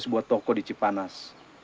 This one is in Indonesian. sebuah toko di cipanas